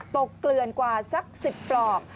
เกลือนกว่าสัก๑๐ปลอก